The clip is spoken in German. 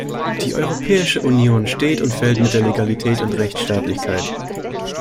Die Europäische Union steht und fällt mit der Legalität und Rechtsstaatlichkeit .